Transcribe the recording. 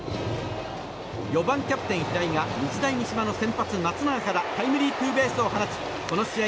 ４番キャプテン、平井が日大三島の先発、松永からタイムリーツーベースを放ちこの試合